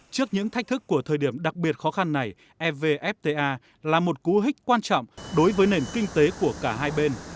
trước những thách thức của thời điểm đặc biệt khó khăn này evfta là một cú hích quan trọng đối với nền kinh tế của cả hai bên